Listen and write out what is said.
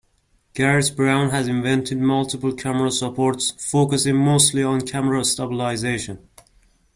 Garrett Brown has invented multiple camera supports focusing mostly on camera stabilization.